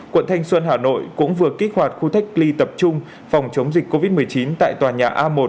quận thanh xuân hà nội cũng vừa kích hoạt khu cách ly tập trung phòng chống dịch covid một mươi chín tại tòa nhà a một